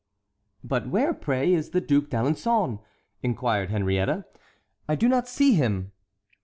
"But where, pray, is the Duc d'Alençon?" inquired Henriette; "I do not see him."